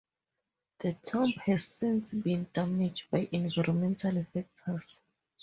The tomb has since been damaged by environmental factors.